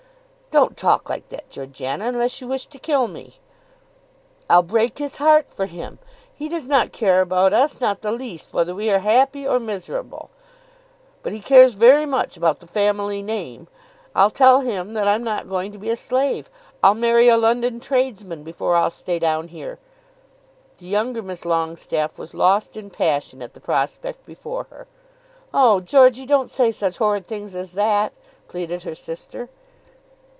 "Don't talk like that, Georgiana, unless you wish to kill me." "I'll break his heart for him. He does not care about us, not the least, whether we are happy or miserable; but he cares very much about the family name. I'll tell him that I'm not going to be a slave. I'll marry a London tradesman before I'll stay down here." The younger Miss Longestaffe was lost in passion at the prospect before her. "Oh, Georgey, don't say such horrid things as that," pleaded her sister.